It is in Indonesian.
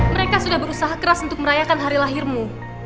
mereka sudah berusaha keras untuk merayakan hari lahirmu